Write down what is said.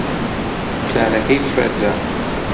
پلانەکەی فڕێ درا.